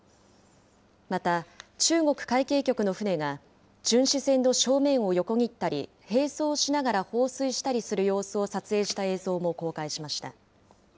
また、中国海警局の船が、巡視船の正面を横切ったり、並走しながら放水したりする様子を撮影した映像も公開しました。